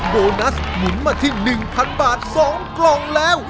โบนัสหมุนมาที่๑๐๐บาท๒กล่องแล้ว